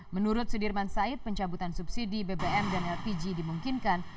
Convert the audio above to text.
menurut sudirman said pencabutan subsidi bbm dan lpg dimungkinkan